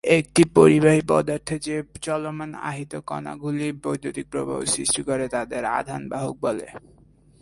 একটি পরিবাহী পদার্থে, যে চলমান আহিত কণাগুলি বৈদ্যুতিক প্রবাহ সৃষ্টি করে তাদের আধান বাহক বলে।